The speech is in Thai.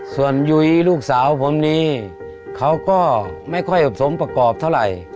ส่วนยุ้ยลูกสาวผมนี้เขาก็ไม่ค่อยสมประกอบเท่าไหร่